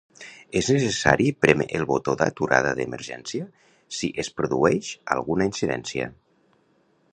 És necessari prémer el botó d'aturada d'emergència si es produeix alguna incidència.